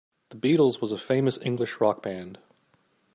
The Beatles was a famous English rock band.